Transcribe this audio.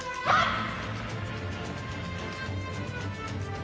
はい！